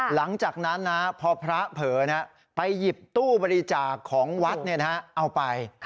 หลังจากนั้นพอพระเผลอไปหยิบตู้บริจาคของวัดเอาไป